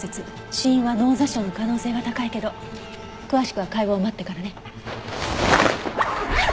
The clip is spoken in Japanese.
死因は脳挫傷の可能性が高いけど詳しくは解剖を待ってからね。